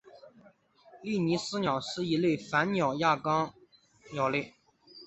利尼斯鸟是一类反鸟亚纲鸟类。